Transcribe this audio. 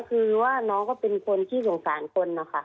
เขาก็เป็นคนวิการเห็นเขาเป็นคนวิการ